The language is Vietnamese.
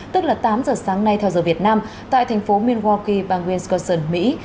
tức là tám h sáng nay theo giờ việt nam tại thành phố milwaukee bang nguyen scottsdale mỹ